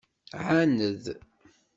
Ɛaned.